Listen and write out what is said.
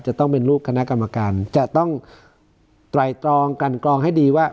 จะต้องเป็นลูกคณะกรรมการจะต้องไตรตรองกันกรองให้ดีว่า